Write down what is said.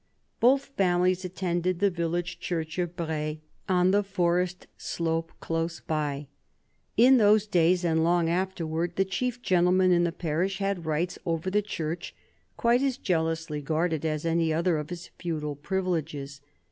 Both families attended the village church of Braye, on the forest slope close by. In those days, and long afterwards, the chief gentleman in the parish had rights over the church quite as jealously guarded as any other of his feudal privileges.